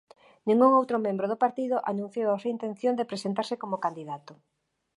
Ningún outro membro do partido anunciou a súa intención de presentarse como candidato.